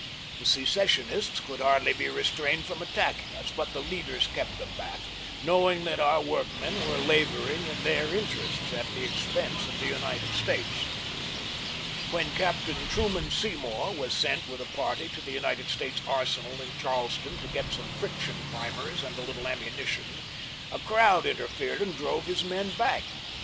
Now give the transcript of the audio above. The secessionists could hardly be restrained from attacking us, but the leaders kept them back, knowing that our workmen were laboring in their interests, at the expense of the United States. When Captain Truman Seymour was sent with a party to the United States arsenal in Charleston to get some friction primers and a little ammunition, a crowd interfered and drove his men back.